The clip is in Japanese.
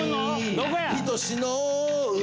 どこや？